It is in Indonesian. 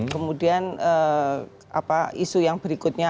kemudian isu yang berikutnya